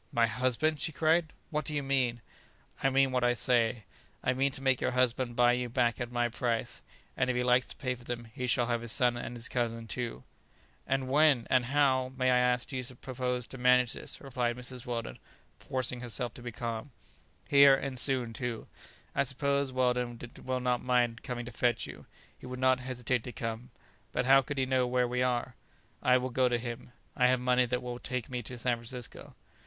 "My husband!" she cried; "what do you mean?" "I mean what I say. I mean to make your husband buy you back at my price; and if he likes to pay for them, he shall have his son and his cousin too." [Illustration: "I suppose Weldon will not mind coming to fetch you?"] "And when, and how, may I ask, do you propose to manage this?" replied Mrs. Weldon, forcing herself to be calm. "Here, and soon too. I suppose Weldon will not mind coming to fetch you." "He would not hesitate to come; but how could he know we are here?" "I will go to him. I have money that will take me to San Francisco."